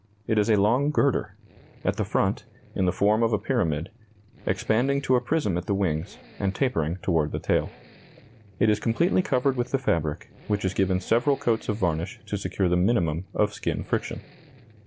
It is a long girder; at the front, in the form of a pyramid, expanding to a prism at the wings, and tapering toward the tail. It is completely covered with the fabric, which is given several coats of varnish to secure the minimum of skin friction.